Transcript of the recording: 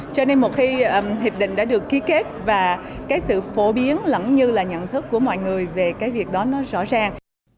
cho nên một khi hiệp định đã được ký kết và cái sự phổ biến lẫn như là nhận thức của mọi người về cái việc đó nó rõ ràng